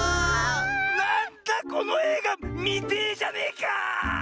なんだこのえいがみてえじゃねえか！